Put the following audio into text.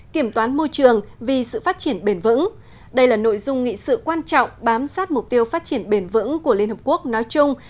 kiểm toán môi trường vì sự phát triển bền vững đây là nội dung nghị sự quan trọng bám sát mục tiêu phát triển bền vững của liên hợp quốc nói chung